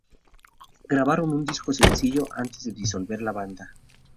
Grabaron un disco sencillo antes de disolver la banda.